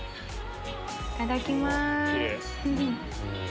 いただきます。